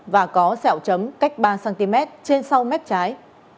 và có sẹo chấm cách ba cm trên sau mép trái